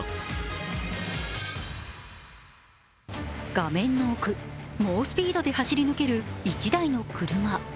画面の奥、猛スピードで走り抜ける１台の車。